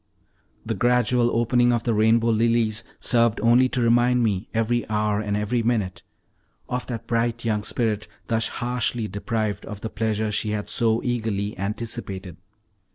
The gradual opening of the rainbow lilies served only to remind me every hour and every minute of that bright young spirit thus harshly deprived of the pleasure she had so eagerly anticipated.